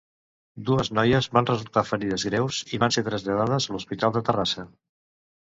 Dues noies van resultar ferides greus i van ser traslladades a l'Hospital de Terrassa.